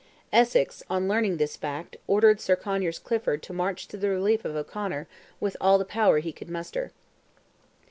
Essex, on learning this fact, ordered Sir Conyers Clifford to march to the relief of O'Conor with all the power he could muster.